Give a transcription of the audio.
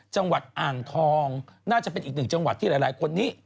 จังหวัดอ่างทองน่าจะเป็นอีกหนึ่งจังหวัดที่หลายคนนี้